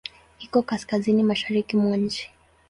Iko kaskazini-mashariki mwa nchi.